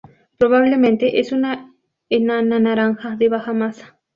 Probablemente es una enana naranja de baja masa.